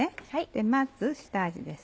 まず下味です。